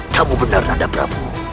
kamu benar nanda prabu